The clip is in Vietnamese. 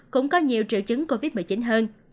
cũng có nhiều triệu chứng covid một mươi chín hơn